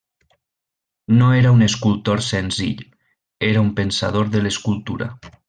No era un escultor senzill; era un pensador de l'escultura.